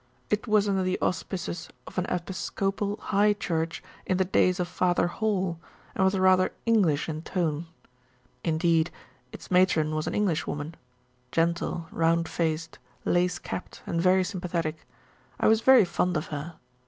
It was under the auspices of an Episcopal High Church in the days of Father Hall, and was rather English in tone. Indeed its matron was an Englishwoman gentle, round faced, lace capped, and very sympathetic. I was very fond of her.